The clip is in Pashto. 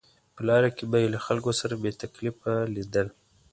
په لاره کې به یې له خلکو سره بې تکلفه لیدل.